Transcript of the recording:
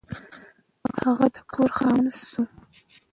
هغه د کور خاوند نه شو.